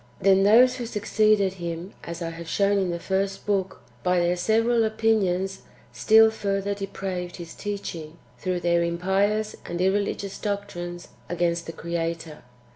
Then those who succeeded him, as I have shown in the first book,^ by their several opinions, still further depraved [his teaching] throuMi their impious and irreligious doctrines a^rainst the Creator.